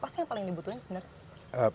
apa sih yang paling dibutuhkan sebenarnya